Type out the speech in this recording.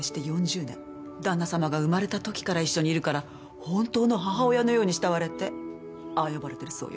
旦那様が生まれた時から一緒にいるから本当の母親のように慕われてああ呼ばれてるそうよ。